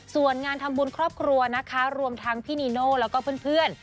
ส่วนงานทำบุญครอบครัวนะคะรวมทั้งพี่นีโน่แล้วก็เพื่อน